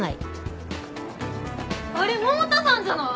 あれ百田さんじゃない？